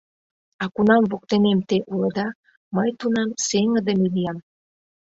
А кунам воктенем те улыда, мый тунам сеҥыдыме лиям!